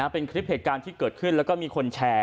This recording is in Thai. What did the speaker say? เป็นคลิปเหตุการณ์ที่เกิดขึ้นแล้วก็มีคนแชร์